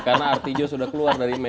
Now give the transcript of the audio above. karena artijo sudah keluar dari ppr